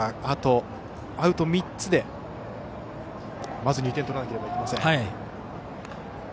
あとアウト３つでまず２点取らなければいけません。